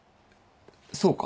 そうか？